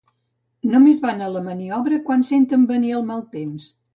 No més van a la maniobra quan senten venir el mal temps